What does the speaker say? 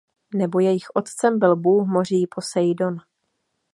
Nebo jejich otcem byl bůh moří Poseidón.